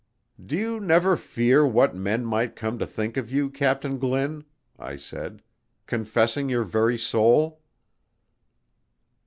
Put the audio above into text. "Do you never fear what men might come to think of you, Captain Glynn," I said, "confessing your very soul?"